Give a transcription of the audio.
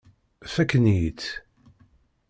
Fakken-iyi-tt.